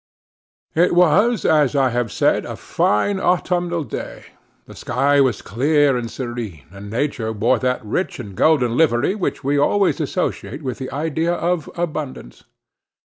It was, as I have said, a fine autumnal day; the sky was clear and serene, and nature wore that rich and golden livery which we always associate with the idea of abundance.